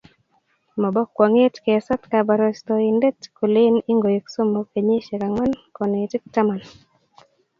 Mobo kwonget kesat koborostoindet kolen ingoik somok, kenyisiek angwan, konetik taman